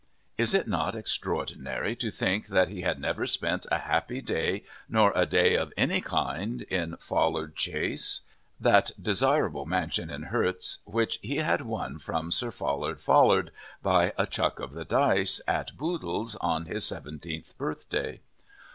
Is it not extraordinary to think that he had never spent a happy day nor a day of any kind in Follard Chase, that desirable mansion in Herts, which he had won from Sir Follard Follard, by a chuck of the dice, at Boodle's, on his seventeenth birthday?